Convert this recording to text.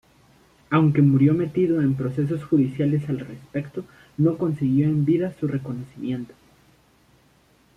Aunque murió metido en procesos judiciales al respecto, no consiguió en vida su reconocimiento.